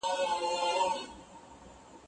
ایا زه کولای شم ستاسو له مقالي ګټه واخلم؟